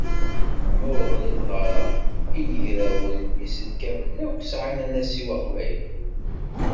Ma ur ɣliḍeɣ ara, inagrawen isenselkamen akk sεan anasiw aqbayli.